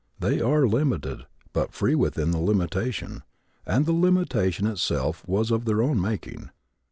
They are limited but free within the limitation, and the limitation itself was of their own making.